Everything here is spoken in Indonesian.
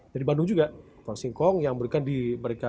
dari bandung juga produk singkong yang diberikan di mereka